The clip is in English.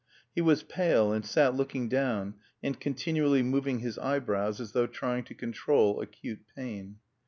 He was pale and sat looking down and continually moving his eyebrows as though trying to control acute pain.